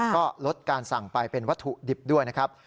ก็ลดการสั่งไปเป็นวัตถุดิบด้วยนะครับ